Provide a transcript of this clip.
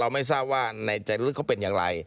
ไม่ทราบว่าในใจลึกเขาเป็นอย่างไร